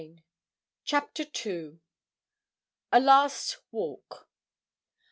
CHAPTER II. A LAST WALK.